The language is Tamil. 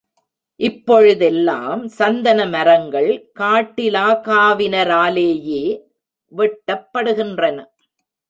இப்பொழுதெல்லாம் சந்தன மரங்கள் காட்டிலாகாவினராலேயே வெட்டப்படுகின்றன.